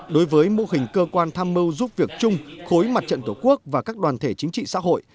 đối với mô hình cơ quan tham mưu giúp việc chung khối mặt trận tổ quốc và các đoàn thể chính trị xã hội